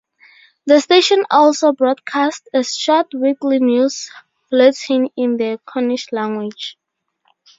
The station also broadcasts a short weekly news bulletin in the Cornish language.